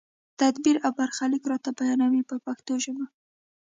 تدبیر او برخلیک راته بیانوي په پښتو ژبه.